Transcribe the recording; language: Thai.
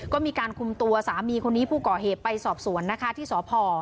ก็มีการคุมตัวสามีคนนี้ผู้ก่อเหตุไปสอบสวนนะคะที่สพ